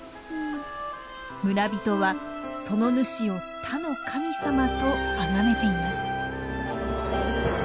村人はその主を「田の神様」とあがめています。